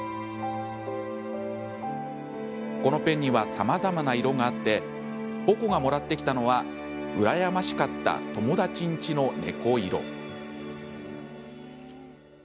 このペンにはさまざまな色があってポコがもらってきたのは「うらやましかった友達んちの猫色」。